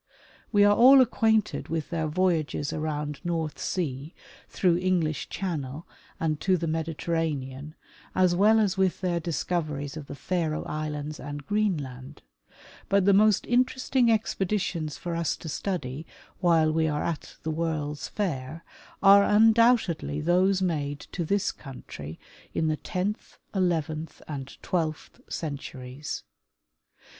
We are all acquainted with their voyages around North sea through English channel and , to the Mediterranean, as well as with their discoveries of the Faroe islands and Greenland; but the most interesting expe ditions for us to study while we are at the World's Fair are undoubtedly those made to this country in the tenth, eleventh and twelfth centuries.